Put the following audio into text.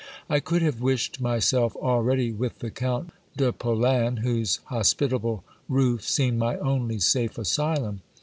I could have wished myself already with the Count de Polan, whose hospitable roof seemed my only safe asylum.